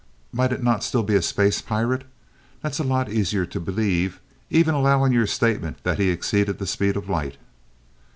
"Might it not still be a space pirate? That's a lot easier to believe, even allowing your statement that he exceeded the speed of light."